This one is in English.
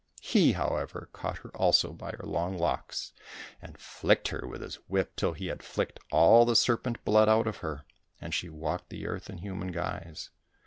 He, however, caught her also by her long locks, and flicked her with his whip till he had flicked all the serpent blood out of her, and she walked the earth in human guise.